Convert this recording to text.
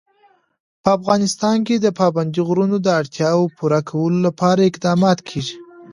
په افغانستان کې د پابندی غرونه د اړتیاوو پوره کولو لپاره اقدامات کېږي.